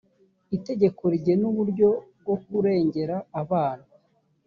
itegeko rigena uburyo bwo kurengera abana